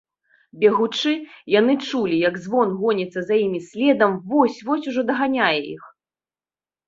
Бегучы, яны чулі, як звон гоніцца за імі следам, вось-вось ужо даганяе іх.